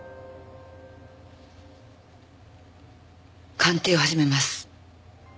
鑑定を始めます。